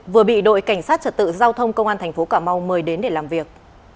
vừa bị đội cảnh sát trật tự giao thông công an tp cm mời đến để làm việc